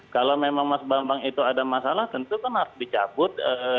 kalau memang mas bambang itu ada masalah tentu kan harus dicabut